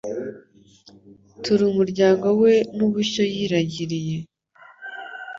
turi umuryango we n’ubushyo yiragiriye